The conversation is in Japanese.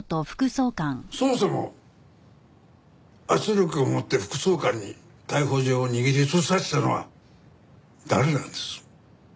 そもそも圧力をもって副総監に逮捕状を握り潰させたのは誰なんです？